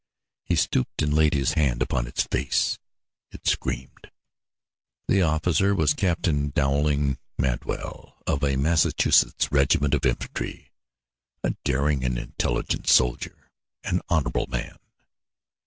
He stooped and laid his hand upon its face. It screamed. The officer was Captain Downing Madwell, of a Massachusetts regiment of infantry, a daring and intelligent soldier, an honorable man.